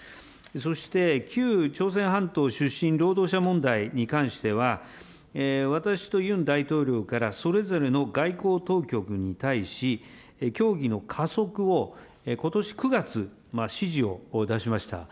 そして旧朝鮮半島出身労働者問題に関しては、私とユン大統領から、それぞれの外交当局に対し、協議の加速をことし９月、指示を出しました。